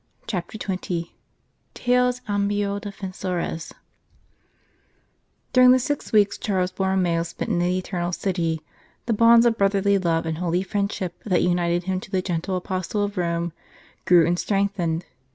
CHAPTER XX "TALES AMBIO DEFENSORES" DURING the six weeks Charles Borromeo spent in the Eternal City, the bonds of brotherly love and holy friendship that united him to the gentle Apostle of Rome grew and strengthened.